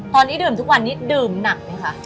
ตอนนี้ดื่มทุกวันนี้ดื่มหนักไหมคะ